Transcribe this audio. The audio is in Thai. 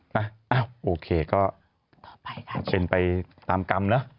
ถูกเป็นไปตามกรรมนะ